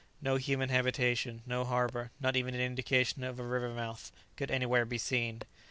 No human habitation, no harbour, not even an indication of a river mouth, could anywhere be seen.